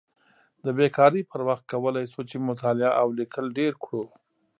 د بیکارۍ پر وخت کولی شو چې مطالعه او لیکل ډېر کړو.